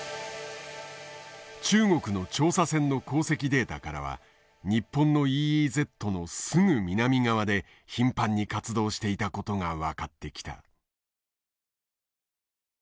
中国の調査船の航跡データからは日本のＥＥＺのすぐ南側で頻繁に活動していたことが分かってきた。